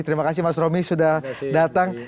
terima kasih mas romi sudah datang